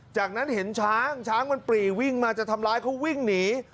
จากนั้นเห็นช้างช้างมันปรีวิ่งมาจะทำร้ายเขาวิ่งหนี